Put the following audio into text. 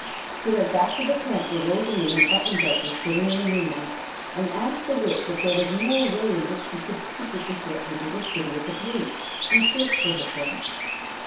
She went back to the tent where Rosalie and Button Bright were sitting in the moonlight and asked the Witch if there was no way in which she could secretly get into the City of the Blues and search for her friend.